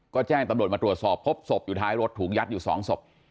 ก็แจ้งตำรวจมาตรวจสอบพบศพอยู่ท้ายรถถูกยัดอยู่๒ศพ